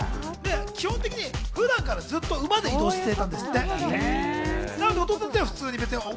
基本的に普段からずっと馬で移動していたんですって。